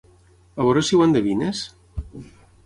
A veure si ho endevines?